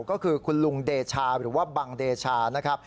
ก็คือลุงเดชาหรือว่าบังเดชา